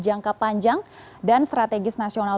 jangka panjang dan strategis nasional